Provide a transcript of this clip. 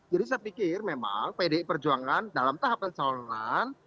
jadi saya pikir memang pdi perjuangan dalam tahap pencalonan